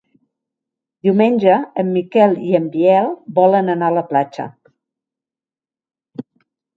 Diumenge en Miquel i en Biel volen anar a la platja.